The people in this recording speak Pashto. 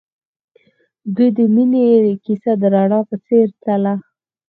د دوی د مینې کیسه د رڼا په څېر تلله.